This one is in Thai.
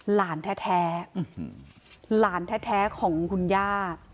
หลานแท้หลานแท้ของคุณย่า